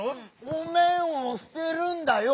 おめんをすてるんだよ！